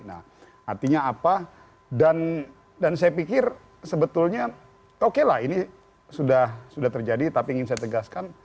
nah artinya apa dan saya pikir sebetulnya oke lah ini sudah terjadi tapi ingin saya tegaskan